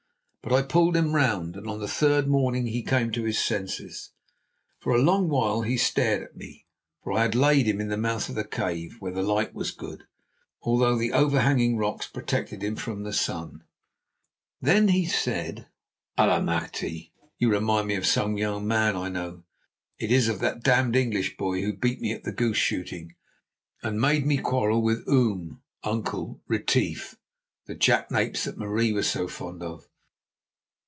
But I pulled him round, and on the third morning he came to his senses. For a long while he stared at me, for I had laid him in the mouth of the cave, where the light was good, although the overhanging rocks protected him from the sun. Then he said: "Allemachte! you remind me of someone, young man. I know. It is of that damned English boy who beat me at the goose shooting, and made me quarrel with Oom [uncle] Retief, the jackanapes that Marie was so fond of.